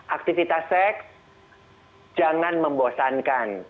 aktivitas seks jangan membosankan